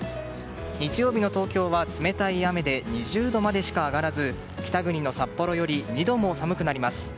日曜日の東京は冷たい雨で２０度までしか上がらず北国の札幌より２度も寒くなります。